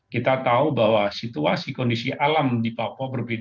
kita tahu bahwa situasi kondisi alam di papua berbeda